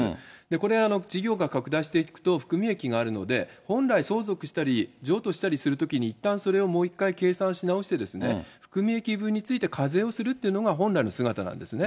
これ、事業が拡大していくと含み益があるので、本来相続したり、譲渡したりするときに、いったんそれをもう一回計算し直して、含み益分について課税をするっていうのが、本来の姿なんですね。